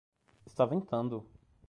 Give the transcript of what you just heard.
Está ventando.